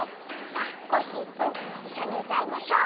さあコッシーくんいっしょにうたいましょ。